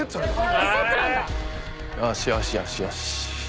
よしよしよしよし。